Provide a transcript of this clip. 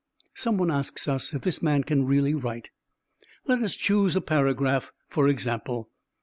Someone asks us if this man can really write. Let us choose a paragraph for example.